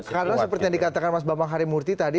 karena seperti yang dikatakan mas bapak harimurti tadi